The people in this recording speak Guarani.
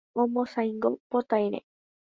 Omosãingo potãire.